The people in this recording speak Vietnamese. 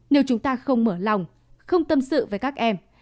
nếu chúng ta không mở lòng không tâm sự với các em